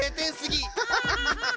ハハハハ！